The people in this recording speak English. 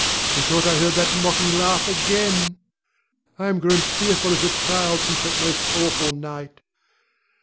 methought I heard that mocking laugh again! I am grown fearful as a child since that most awful night.